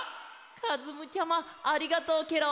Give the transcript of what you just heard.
かずむちゃまありがとうケロ！